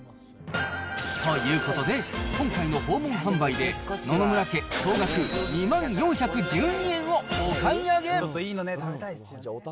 ということで、今回の訪問販売で、野々村家、総額２万４１２円をお買い上げ。